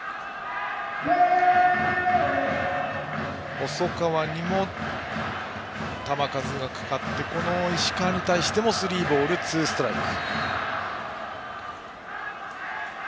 細川にも球数がかかってこの石川に対してもスリーボール、ツーストライク。